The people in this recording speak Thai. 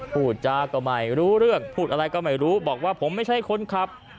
พูดจาก็ไม่รู้เรื่องพูดอะไรก็ไม่รู้บอกว่าผมไม่ใช่คนขับ